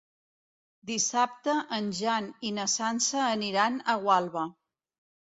Dissabte en Jan i na Sança aniran a Gualba.